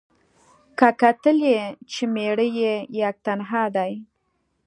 که کتل یې چي مېړه یې یک تنها دی